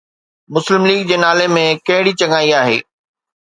مسلم ليگ جي نالي ۾ ڪهڙي چڱائي آهي؟